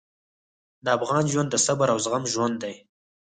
د افغان ژوند د صبر او زغم ژوند دی.